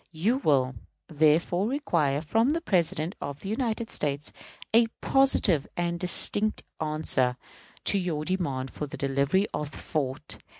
You will, therefore, require from the President of the United States a positive and distinct answer to your demand for the delivery of the fort.